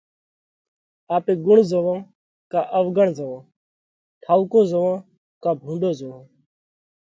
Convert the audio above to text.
آپي ڳُڻ زوئونه ڪا اوَڳڻ زوئونه۔ ٺائُوڪو زوئونه ڪا ڀُونڏو زوئونه۔